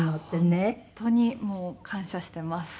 本当にもう感謝しています。